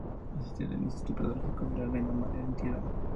Asistió al Instituto Pedagógico de la Reina Madre en Tirana.